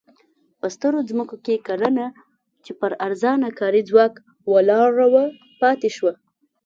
په سترو ځمکو کې کرنه چې پر ارزانه کاري ځواک ولاړه وه پاتې شوه.